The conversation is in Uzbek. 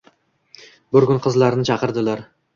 Bir kuni qizlarini chaqirdilar.